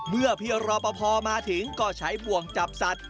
เมื่อพี่รอปภมาถึงก็ใช้บ่วงจับสัตว